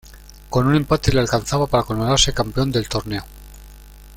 Con un empate le alcanzaba para coronarse campeón del torneo.